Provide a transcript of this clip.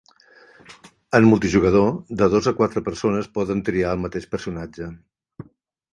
En multijugador, de dos a quatre persones poden triar el mateix personatge.